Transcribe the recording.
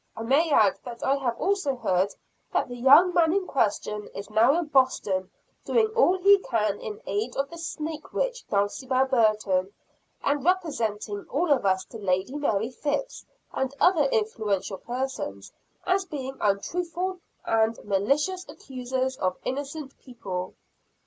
I may add that I have also heard that the young man in question is now in Boston doing all he can in aid of the snake witch Dulcibel Burton; and representing all of us to Lady Mary Phips and other influential persons, as being untruthful and malicious accusers of innocent people."